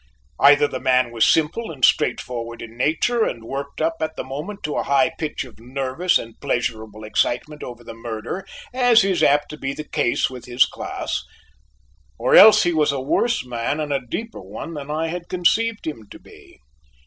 Either the man was simple and straightforward in nature and worked up at the moment to a high pitch of nervous and pleasurable excitement over the murder, as is apt to be the case with his class; or else he was a worse man and a deeper one than I had conceived him to be.